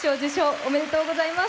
おめでとうございます。